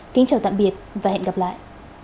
kính chào tạm biệt và hẹn gặp lại